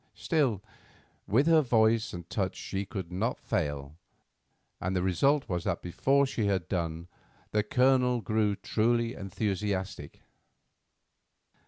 Still, with her voice and touch she could not fail, and the result was that before she had done the Colonel grew truly enthusiastic.